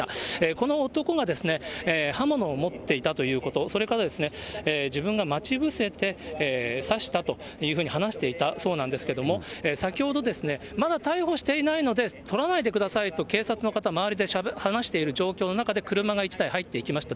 この男がですね、刃物を持っていたということ、それからですね、自分が待ち伏せて刺したというふうに話していたそうなんですけれども、先ほど、まだ逮捕していないので撮らないでくださいと警察の方、周りで話している状況の中で、車が１台入っていきました。